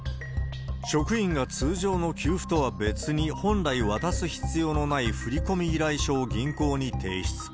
職員が通常の給付とは別に本来渡す必要のない振込依頼書を銀行に提出。